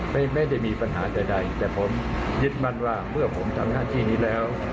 ไม่ได้มีปัญหาใดแต่ผมยึดมั่นว่าเมื่อผมทำหน้าที่นี้แล้ว